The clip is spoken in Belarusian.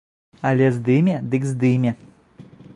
Але здыме, дык здыме!